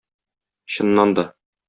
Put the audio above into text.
Чыннан да...